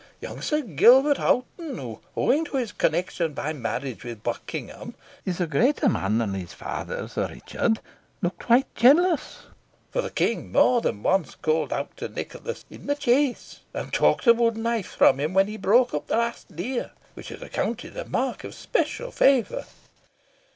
young Sir Gilbert Hoghton, who, owing to his connexion by marriage with Buckingham, is a greater man than his father, Sir Richard, looked quite jealous; for the King more than once called out to Nicholas in the chase, and took the wood knife from him when he broke up the last deer, which is accounted a mark of especial favour."